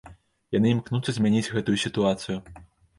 Яны імкнуцца змяніць гэтую сітуацыю.